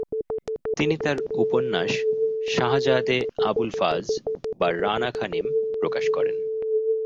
তিনি তার উপন্যাস শাহজাদে আবুলফাজ বা রানা খানিম প্রকাশ করেন।